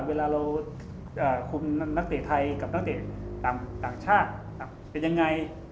เวลาเราคุมนักเตะไทยกับนักเตะต่างชาติเป็นยังไง